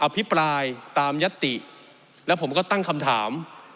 พิปรายตามยัตติแล้วผมก็ตั้งคำถาม